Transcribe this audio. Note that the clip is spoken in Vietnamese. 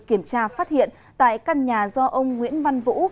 kiểm tra phát hiện tại căn nhà do ông nguyễn văn vũ